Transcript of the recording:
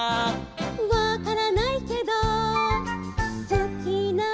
「わからないけどすきなんだ」